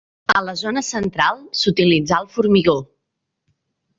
A la zona central s'utilitzà el formigó.